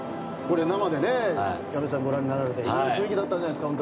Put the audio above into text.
生で矢部さんご覧になっていい雰囲気だったんじゃないですか？